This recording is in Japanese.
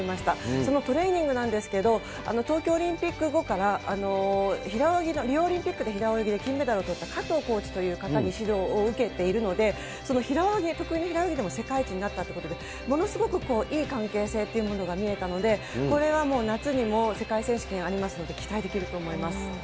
そのトレーニングなんですけど、東京オリンピック後から、平泳ぎの、リオオリンピックで平泳ぎで金メダルをとった加藤コーチという方に指導を受けているので、その平泳ぎ、得意の平泳ぎで世界一になったということで、ものすごくいい関係性というものが見えたので、これはもう夏にも世界選手権ありますので、期待できると思います。